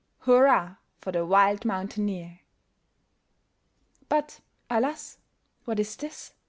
Hurrah, for the wild mountaineer! But, alas! what is this?